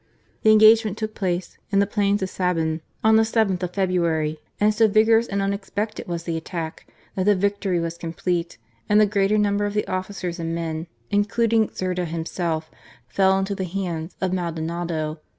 The engagement took place in the plains of Sabun, on the 7th of February, and so vigorous and unexpected was the attack that the victory was complete, and the greater number of the officers and men, including Zerda himself, fell into the hands of Maldonado.